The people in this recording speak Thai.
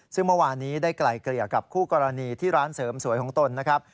ซึ่งเมื่อวานนี้ได้ไกลเกลี่ยกับคู่กรณีที่ร้านเสริมสวยของตนนะครับ